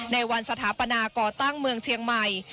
ในวันสถาปนาก่อตั้งเมืองเชียงใหม่